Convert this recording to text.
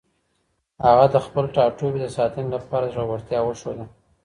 هغه د خپل ټاټوبي د ساتنې لپاره زړورتیا وښوده.